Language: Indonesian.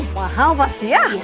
uh mahal pasti ya